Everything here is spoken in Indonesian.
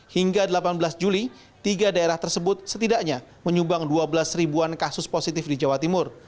hingga delapan belas juli tiga daerah tersebut setidaknya menyumbang dua belas ribuan kasus positif di jawa timur